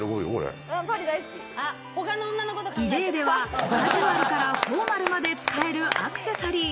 イデーでは、カジュアルからフォーマルまで使えるアクセサリー。